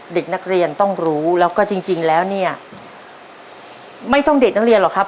เด็กนักเรียนต้องรู้แล้วก็จริงแล้วเนี่ยไม่ต้องเด็กนักเรียนหรอกครับ